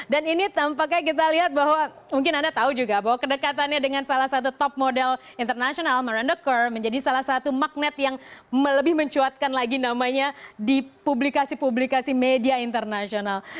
dan ini tampaknya kita lihat bahwa mungkin anda tahu juga bahwa kedekatannya dengan salah satu top model internasional miranda kerr menjadi salah satu magnet yang lebih mencuatkan lagi namanya di publikasi publikasi media internasional